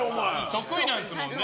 得意なんすもんね？